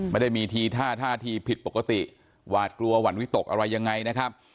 ไม่ได้มีทีท่าท่าทีผิดปกติหวาดกลัวหวั่นวิตกอะไรยังไงนะครับ